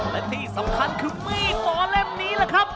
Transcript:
และที่สำคัญคือมีดหมอเล่มนี้แหละครับ